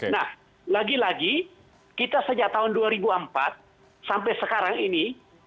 nah lagi lagi kita sejak tahun dua ribu empat sampai sekarang ini